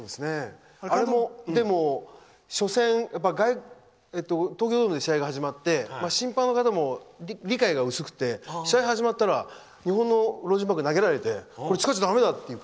あれも東京ドームで試合が始まって審判の方も理解が薄くて試合が始まったら日本のロージンバッグを投げられてこれは使っちゃだめだって。